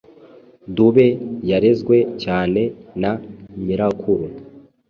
Dube yarezwe cyane na nyirakuru